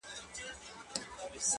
په صحبت نه مړېدی د عالمانو؛